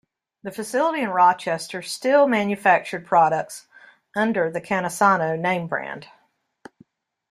The facility in Rochester still manufactured products under the Cantisano name brand.